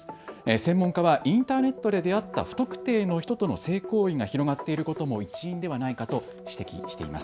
専門家はインターネットで出会った不特定の人との性行為が広がっていることも一因ではないかと指摘しています。